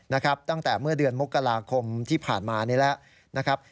นะครับตั้งแต่เมื่อเดือนมกราคมที่ผ่านมานี้แล้วนะครับ